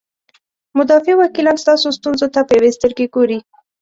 مدافع وکیلان ستاسو ستونزو ته په یوې سترګې ګوري.